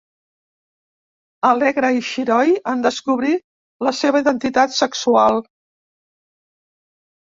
Alegre i xiroi en descobrir la seva identitat sexual.